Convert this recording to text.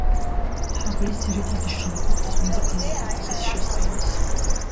ჰაბლის ძირითადი შრომები ეძღვნება გალაქტიკების შესწავლას.